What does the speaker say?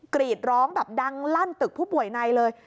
กรีดร้องแบบดังลั่นตึกผู้ป่วยในเลย